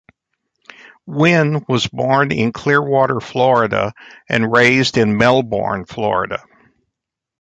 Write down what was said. Wynne was born in Clearwater, Florida, and raised in Melbourne, Florida.